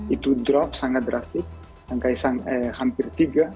itu drop sangat drastik hampir tiga